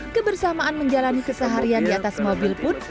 kebersamaan menjalani keseharian di atas mobil pun